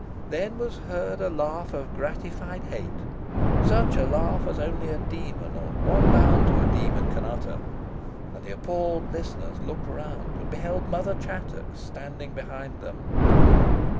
Then was heard a laugh of gratified hate such a laugh as only a demon, or one bound to a demon, can utter and the appalled listeners looked around, and beheld Mother Chattox standing behind them.